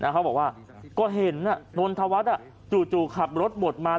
เขาบอกว่าก็เห็นนนทวัฒน์จู่ขับรถบดมา